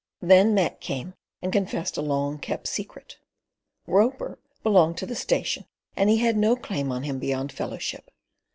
Then Mac came and confessed a long kept secret. Roper belonged to the station, and he had no claim on him beyond fellowship.